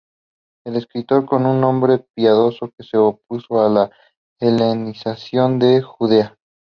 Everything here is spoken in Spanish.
Es descrito como un hombre piadoso que se opuso a la helenización de Judea.